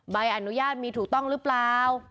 ใบอนุญาตมีถูกต้องหรือเปล่า